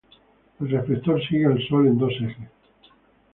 El reflector sigue al Sol en dos ejes.